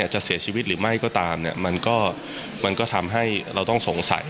จะเสียชีวิตหรือไม่ก็ตามมันก็ทำให้เราต้องสงสัย